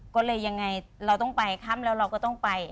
ก็เลยยังไงเราต้องไปค่ำแล้วเราก็ต้องไป